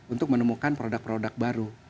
untuk menemukan produk produk baru